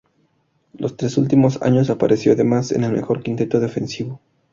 Los tres últimos años apareció además en el mejor quinteto defensivo.